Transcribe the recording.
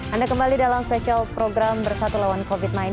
anda kembali dalam spesial program bersatu lawan covid sembilan belas